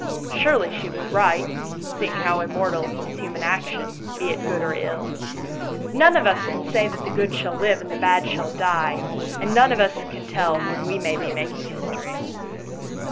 Surely she was right, seeing how immortal is human action, be it good or ill ? None of us can say that the good shall live and the bad shall die, and none of us can tell when we may be making history.